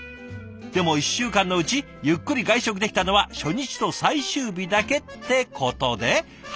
でも１週間のうちゆっくり外食できたのは初日と最終日だけ。ってことではいこちら。